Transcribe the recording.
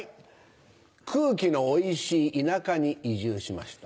空気のおいしい田舎に移住しました。